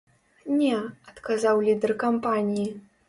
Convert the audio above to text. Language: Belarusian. Не, адказаў лідэр кампаніі.